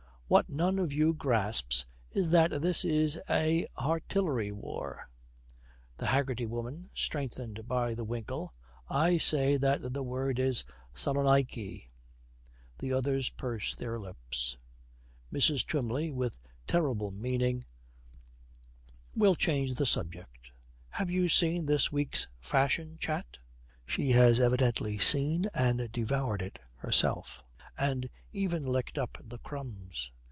'What none of you grasps is that this is a artillery war ' THE HAGGERTY WOMAN, strengthened by the winkle, 'I say that the word is Salonaiky.' The others purse their lips. MRS. TWYMLEY, with terrible meaning, 'We'll change the subject. Have you seen this week's Fashion Chat?' She has evidently seen and devoured it herself, and even licked up the crumbs.